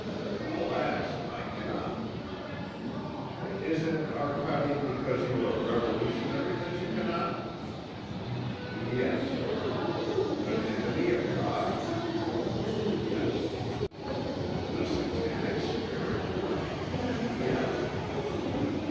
"Alas! I cannot." "Is it, Arcade, because you are a revolutionary that you cannot?" "Yes." "An enemy of God?" "Yes." "A Satanic spirit?" "Yes."